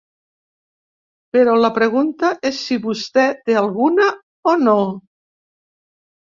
Però la pregunta és si vostè té alguna o no.